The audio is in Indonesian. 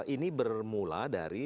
ini bermula dari